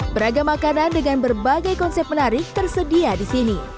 beragam makanan dengan berbagai konsep menarik tersedia di sini